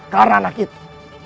karena anak itu